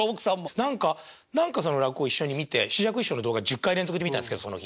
何か何かその落語を一緒に見て枝雀師匠の動画１０回連続で見たんですけどその日。